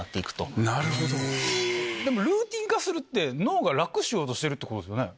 ルーティン化って脳が楽しようとしてるってことですよね？